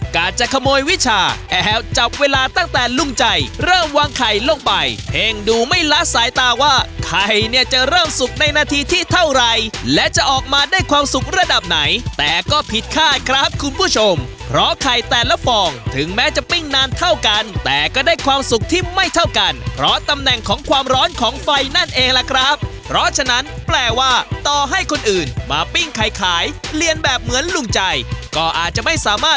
ไข่เนี่ยจะเริ่มสุกในนาทีที่เท่าไรและจะออกมาได้ความสุขระดับไหนแต่ก็ผิดค่าครับคุณผู้ชมเพราะไข่แต่ละฟองถึงแม้จะปิ้งนานเท่ากันแต่ก็ได้ความสุขที่ไม่เท่ากันเพราะตำแหน่งของความร้อนของไฟนั่นเองแหละครับเพราะฉะนั้นแปลว่าต่อให้คนอื่นมาปิ้งไข่ขายเรียนแบบเหมือนลุงใจก็อาจจะไม่สามาร